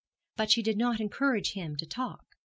But she did not encourage him to talk.